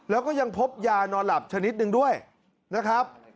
แล้วก็ยังพบยานอนหลับชนิดหนึ่งด้วยนะครับ